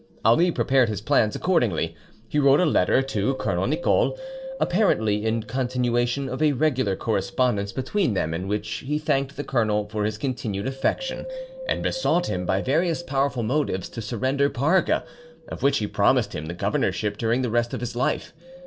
Ali prepared his plans accordingly. He wrote a letter to Colonel Nicole, apparently in continuation of a regular correspondence between them, in which he thanked the colonel for his continued affection, and besought him by various powerful motives to surrender Parga, of which he promised him the governorship during the rest of his life.